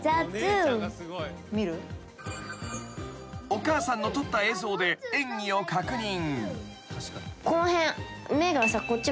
［お母さんの撮った映像で演技を確認］